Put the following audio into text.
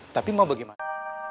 tapi mau bagaimana